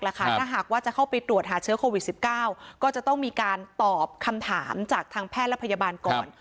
ถ้าหากว่าจะเข้าไปตรวจหาเชื้อโควิด๑๙ก็จะต้องมีการตอบคำถามจากทางแพทย์และพยาบาลก่อน